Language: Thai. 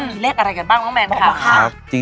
มีเลขอะไรกันบ้างน้องแมนค่ะ